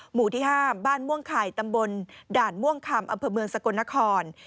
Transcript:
หมู่ที่๕บ้านม่วงไข่ตำบลด่านม่วงคำอำเภอเมืองสกลนคร